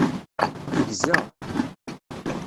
Tegza.